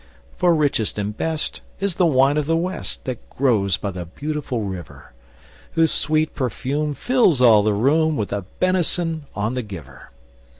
For richest and best Is the wine of the West, That grows by the Beautiful River; Whose sweet perfume Fills all the room With a benison on the giver.